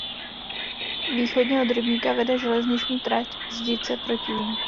Východně od rybníka vede železniční trať Zdice–Protivín.